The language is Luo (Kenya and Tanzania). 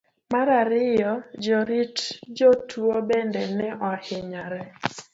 mar ariyo. jorit jotuwo bende ne ohinyore